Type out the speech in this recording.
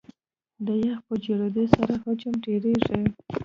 د یخ په جوړېدو سره حجم ډېرېږي.